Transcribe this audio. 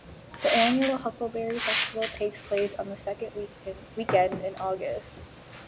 The annual Huckleberry Festival takes place on the second weekend in August.